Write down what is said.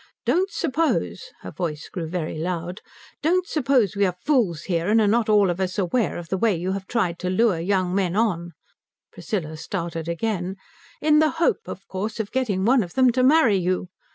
Don't suppose," her voice grew very loud "don't suppose we are fools here and are not all of us aware of the way you have tried to lure young men on" Priscilla started again "in the hope, of course, of getting one of them to marry you.